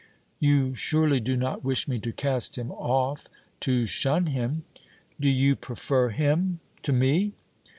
"You surely do not wish me to cast him off, to shun him?" "Do you prefer him to me?"